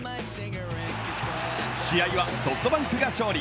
試合はソフトバンクが勝利。